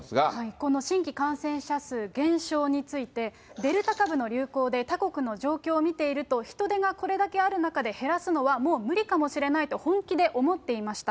この新規感染者数減少について、デルタ株の流行で他国の状況を見ていると、人出がこれだけある中で減らすのはもう無理かもしれないと本気で思っていました。